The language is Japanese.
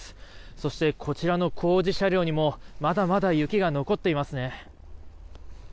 そして、こちらの工事車両にもまだまだ雪が残っていますね。